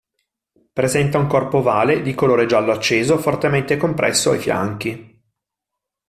Presenta un corpo ovale, di colore giallo acceso, fortemente compresso ai fianchi.